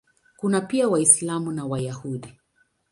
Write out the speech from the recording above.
Kuna pia Waislamu na Wayahudi.